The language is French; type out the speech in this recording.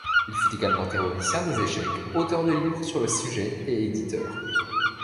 Il fut également théoricien des échecs, auteur de livres sur le sujet et éditeur.